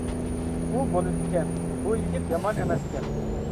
ئۇ بولىدىكەن، بۇ يىگىت يامان ئەمەسكەن.